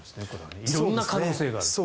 色んな可能性がある。